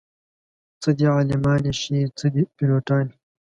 څه دې عالمانې شي څه دې پيلوټانې